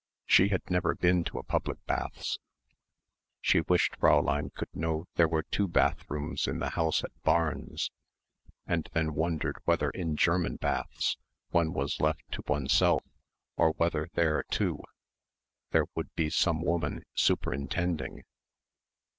She had never been to a public baths.... She wished Fräulein could know there were two bathrooms in the house at Barnes, and then wondered whether in German baths one was left to oneself or whether there, too, there would be some woman superintending.